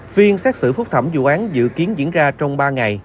phiên xét xử phúc thẩm dự kiến diễn ra trong ba ngày